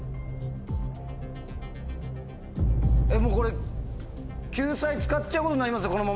もうこれ救済使っちゃうことになりますよ。